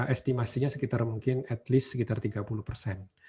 estimasinya sekitar mungkin at least sekitar tiga puluh persen